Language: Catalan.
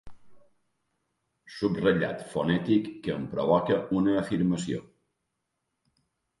Subratllat fonètic que em provoca una afirmació.